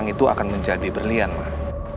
itu akan menjadi berlian pak